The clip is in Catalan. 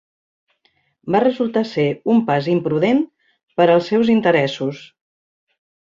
Va resultar ser un pas imprudent per als seus interessos.